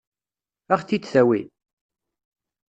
Ad ɣ-t-id-tawi?